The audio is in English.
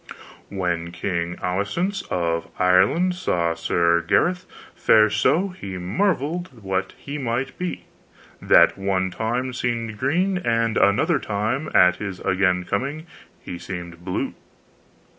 When King Aswisance of Ireland saw Sir Gareth fare so he marvelled what he might be, that one time seemed green, and another time, at his again coming, he seemed blue.